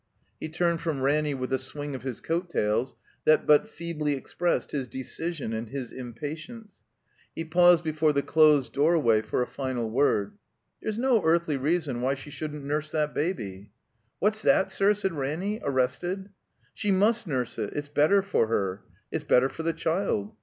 k He turned from Ranny with a swing of his coat tails that but feebly expressed his decision and his impatience. He paused before the closed doorway for a final word. "There's no earthly reason why she shotddn't nurse that baby." "What's that, sir?" said Ranny, arrested. "She frnist nurse it. It's better for her. It's better for the child.